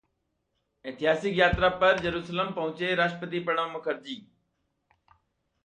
ऐतिहासिक यात्रा पर यरूशलम पहुंचे राष्ट्रपति प्रणब मुखर्जी